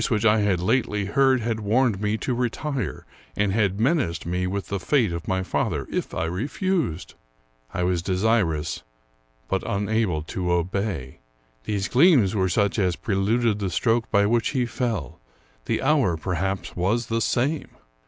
hich I had lately heard had warned me to retire, and had menaced me with the fate of my father if I refused. I was 2s6 Charles Brockden Brown desirous, but unable to obey; these gleams were such as preluded the stroke by which he fell ; the hour, perhaps, was the same.